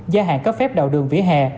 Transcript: gia hạn cấp phép đào đường vỉa hè